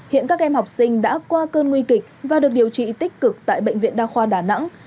hiện các em học sinh đã qua cơn nguy kịch và được điều trị tích cực tại bệnh viện đa khoa đà nẵng